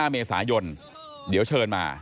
๕เมษายนเดี๋ยวเชิญมา